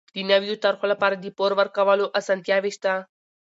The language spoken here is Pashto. د نويو طرحو لپاره د پور ورکولو اسانتیاوې شته.